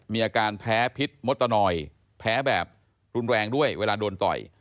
มีอาการแพ้พิษมดตะนอยแพ้แบบรุนแรงด้วยเวลาโดนต่อย